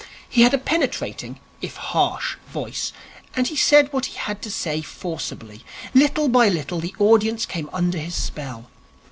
He had a penetrating, if harsh, voice, and he said what he had to say forcibly. Little by little the audience came under his spell.